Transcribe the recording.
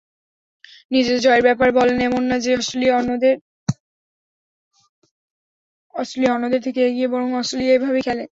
নিজেদের জয়ের ব্যাপারে বলেন, "এমন না যে অস্ট্রেলিয়া অন্যদের থেকে এগিয়ে বরং অস্ট্রেলিয়া এভাবেই খেলে"।